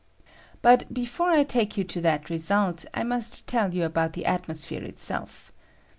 But, before I take you to that result, I must tell you about the atmosphere itself.